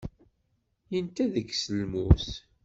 Yenta deg-s lmus.